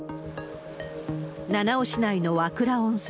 七尾市内の和倉温泉。